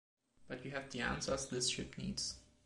But you have the answers this ship needs.